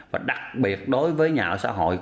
và đặc biệt đối với nhà ở xã hội